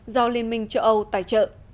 do liên minh châu âu tài trợ